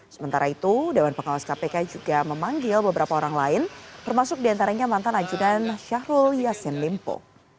sementara itu dewan pengawas kpk juga memanggil beberapa orang lain termasuk diantaranya mantan ajudan syahrul yassin limpo